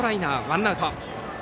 ワンアウト。